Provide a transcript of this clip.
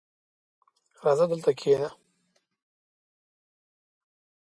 راځه دلته کښېنه!